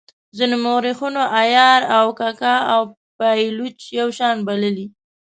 ځینو مورخینو عیار او کاکه او پایلوچ یو شان بللي.